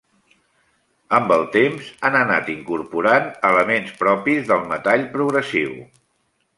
Amb el temps han anat incorporant elements propis del metall progressiu.